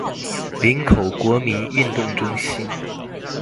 林口國民運動中心